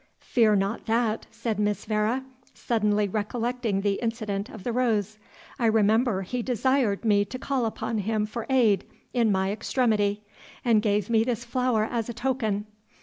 "Fear not that," said Miss Vere, suddenly recollecting the incident of the rose; "I remember he desired me to call upon him for aid in my extremity, and gave me this flower as a token.